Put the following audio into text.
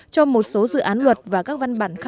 cho một số dự án luật và các văn bản